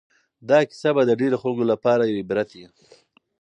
دا کیسه به د ډېرو خلکو لپاره یو عبرت وي.